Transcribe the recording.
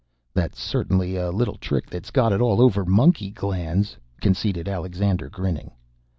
"That's certainly a little trick that's got it all over monkey glands," conceded Alexander, grinning.